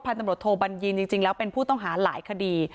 ตำรวจโทบัญญินจริงแล้วเป็นผู้ต้องหาหลายคดี